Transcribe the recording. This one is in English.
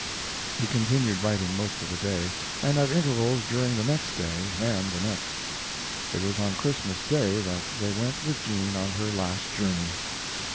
He continued writing most of the day, and at intervals during the next day, and the next. It was on Christmas Day that they went with Jean on her last journey.